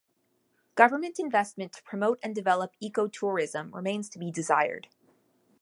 Government investment to promote and to develop eco-tourism remains to be desired.